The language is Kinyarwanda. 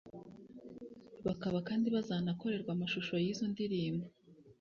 bakaba kandi bazanakorerwa amashusho y’izo ndirimbo